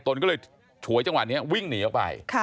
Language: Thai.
ตนก็เลยฉวยจังหวะนี้วิ่งหนีออกไป